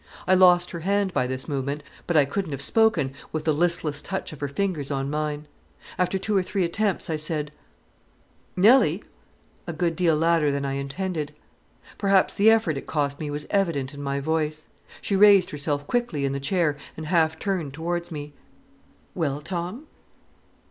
I lost her hand by this movement, but I couldn't have spoken with the listless touch of her fingers on mine. After two or three attempts I said "Nelly" a good deal louder than I intended. Perhaps the effort it cost me was evident in my voice. She raised herself quickly in the chair and half turned towards me. "Well, Tom?"